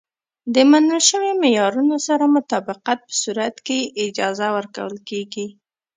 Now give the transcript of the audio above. د منل شویو معیارونو سره مطابقت په صورت کې یې اجازه ورکول کېږي.